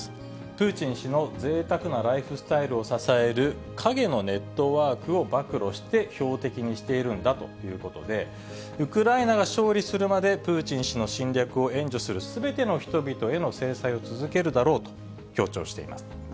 プーチン氏のぜいたくなライフスタイルを支える陰のネットワークを暴露して、標的にしているんだということで、ウクライナが勝利するまで、プーチン氏の侵略を援助するすべての人々への制裁を続けるだろうと強調しています。